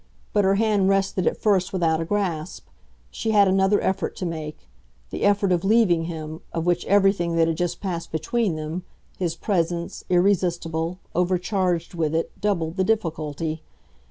But her hand rested at first without a grasp; she had another effort to make, the effort of leaving him, of which everything that had just passed between them, his presence, irresistible, overcharged with it, doubled the difficulty.